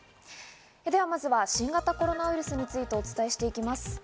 では、まずは新型コロナウイルスについてお伝えしていきます。